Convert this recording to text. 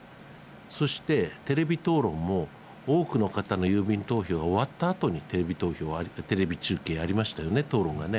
そして、テレビ討論も多くの方の郵便投票が終わったあとにテレビ中継ありましたよね、討論がね。